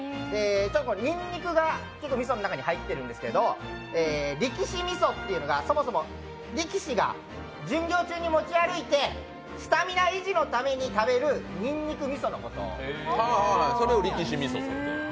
にんにくが結構みその中に入ってるんですけど力士味噌というのがそもそも力士が巡業中に持ち歩いてスタミナ維持のために食べるにんにく味噌のこと。